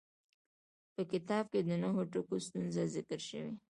په کتاب کې د نهو ټکو ستونزه ذکر شوې.